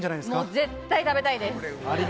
絶対食べたいです。